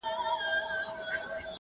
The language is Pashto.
سترگي په خوبونو کي راونغاړه؛